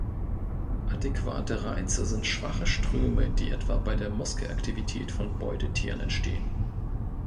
Adäquate Reize sind schwache Ströme, die etwa bei der Muskelaktivität von Beutetieren entstehen.